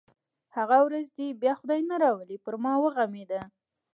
هغه ورځ بیا دې یې خدای نه راولي پر ما وغمېده.